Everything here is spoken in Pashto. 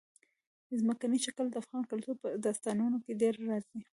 ځمکنی شکل د افغان کلتور په داستانونو کې ډېره راځي.